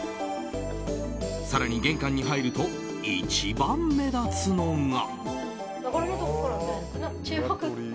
更に、玄関に入ると一番目立つのが。